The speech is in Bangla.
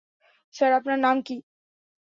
স্যার, আপনার নাম কী?